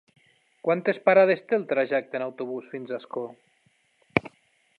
Quantes parades té el trajecte en autobús fins a Ascó?